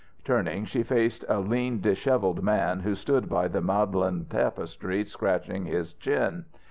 Turning, she faced a lean dishevelled man who stood by the Magdalen tapestry scratching his chin.